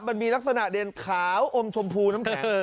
มันมีลักษณะเด่นขาวอมชมพูน้ำแข็ง